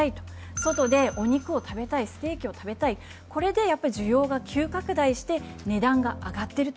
外でお肉を食べたいステーキを食べたいこれでやっぱり需要が急拡大して値段が上がっていると。